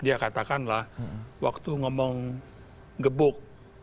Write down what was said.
dia katakanlah waktu ngomong gebuk